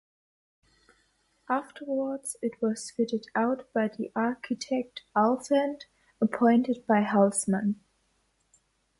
Afterwards it was fitted out by the architect Alphand, appointed by Haussmann.